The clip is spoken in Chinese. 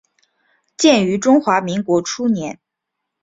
建于中华民国初年。